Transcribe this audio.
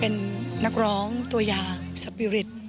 พี่ว่าความมีสปีริตของพี่แหวนเป็นตัวอย่างที่พี่จะนึกถึงเขาเสมอ